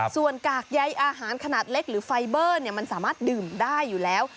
ส่วนกากใยอาหารขนาดเล็กหรือไฟเบอร์มันสามารถดื่มได้อยู่แล้ว